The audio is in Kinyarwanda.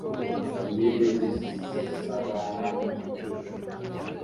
Ingimbi zisabana mu gicucu